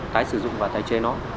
tái sử dụng và tái chế nó